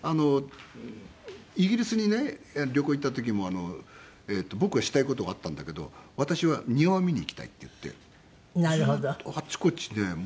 イギリスにね旅行行った時も僕はしたい事があったんだけど「私は庭を見に行きたい」って言ってずっとあちこちねもう何日も。